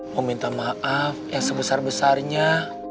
meminta maaf yang sebesar besarnya